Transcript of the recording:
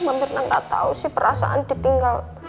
mbak mir gak tau sih perasaan ditinggal